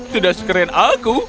tidak sekeren aku